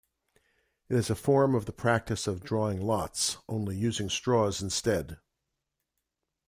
It is a form of the practice of drawing lots, only using straws instead.